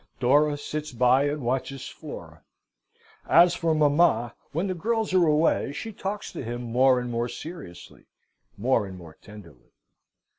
Dora sits by and watches Flora. As for mamma when the girls are away, she talks to him more and more seriously, more and more tenderly.